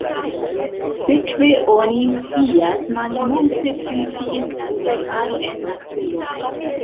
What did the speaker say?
Sekve oni scias malmulte pri ties kutimaro en naturo.